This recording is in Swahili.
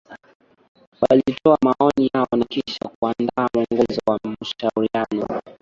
Walitoa maoni yao na kisha kuandaa mwongozo wa mashauriano